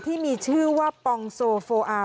ที่มีชื่อว่าปองโซโฟอาร์